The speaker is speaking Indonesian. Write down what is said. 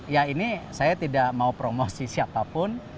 ya ini saya tidak mau promosi siapapun